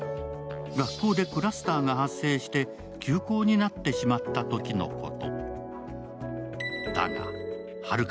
学校でクラスターが発生して休校になってしまったときのこと。